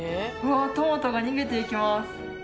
トマトが逃げていきます。